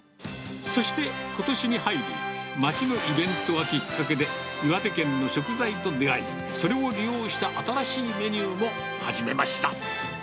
そして、ことしに入り、町のイベントがきっかけで、岩手県の食材と出会い、それを利用した新しいメニューも始めました。